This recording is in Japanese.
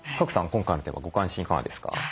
今回のテーマご関心いかがですか？